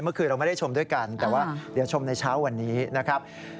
เมื่อคืนเราไม่ได้ชมด้วยกันแต่ว่าเดี๋ยวชมในเช้าวันนี้นะครับ